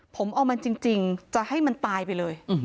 ผมเอามันจริงจะให้มันตายไปเลย